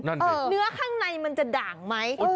เนื้อข้างในมันจะด่างไหม